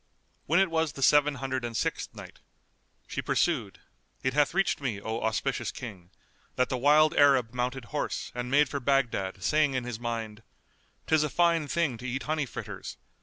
When it was the Seven Hundred and Sixth Night, She pursued, It hath reached me, O auspicious King, that the wild Arab mounted horse and made for Baghdad saying in his mind, "'Tis a fine thing to eat honey fritters!